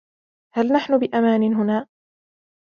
هل نحن بأمان هنا؟